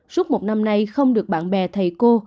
suốt một năm nay không được bạn bè thầy cô